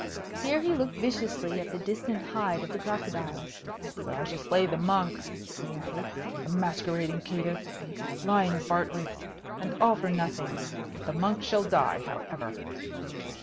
Here he looked viciously at the distant hide of the crocodile. "But I shall slay the monk," he added. "A masquerading caitiff! Lying varlets! And all for nothing! The monk shall die, however."